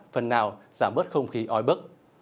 phần nào giảm bớt không khí ói bức